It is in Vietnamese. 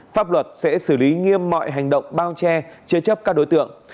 pháp luật sẽ xử lý nghiêm mọi hành động bao che chế chấp các đối tượng